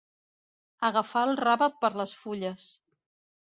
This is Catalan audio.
Agafar el rave per les fulles.